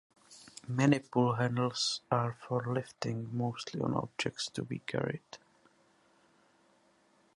Many pull handles are for lifting, mostly on objects to be carried.